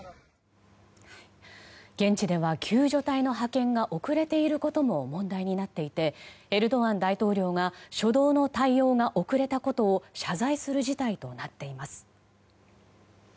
現地では救助隊の派遣が遅れていることも問題になっていてエルドアン大統領が初動の対応が遅れたことを謝罪する事態となっています。